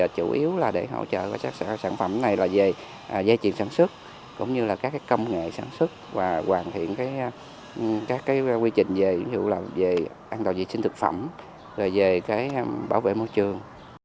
chủ yếu để hỗ trợ các sản phẩm này là về giai truyền sản xuất cũng như các công nghệ sản xuất và hoàn thiện các quy trình về an toàn diện sinh thực phẩm về bảo vệ môi trường